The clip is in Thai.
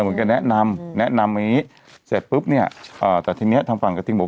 เหมือนกันแนะนำแนะนำอย่างงี้เสร็จปุ๊บเนี่ยเอ่อแต่ทีเนี้ยทางฝั่งกระทิงบอก